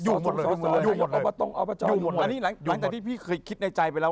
อยู่หมดเลยหลังจากที่พี่เคยคิดในใจไปแล้ว